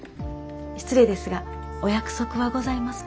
失礼ですがお約束はございますか？